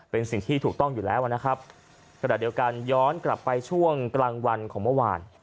เป็นสิ่งที่ถูกต้องอยู่แล้วนะครับขณะเดียวกันย้อนกลับไปช่วงกลางวันของเมื่อวาน